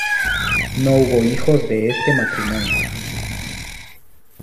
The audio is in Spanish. No hubo hijos de este matrimonio.